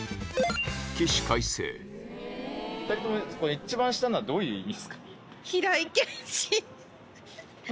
この一番下のはどういう意味っすか？